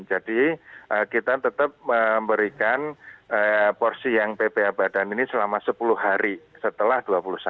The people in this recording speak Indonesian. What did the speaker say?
jadi kita tetap memberikan porsi yang bph badan ini selama sepuluh hari setelah dua puluh satu